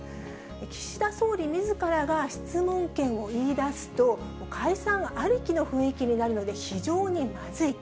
岸田総理みずからが質問権を言い出すと、解散ありきの雰囲気になるので非常にまずい。